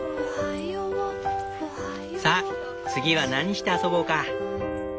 さ次は何して遊ぼうか？